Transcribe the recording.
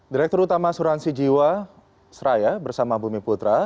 direktur utama suransi jiwa seraya bersama bumi putra